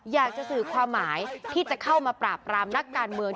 อยากจะสื่อความหมายที่จะเข้ามาปราบรามนักการเมือง